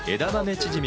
チヂミ？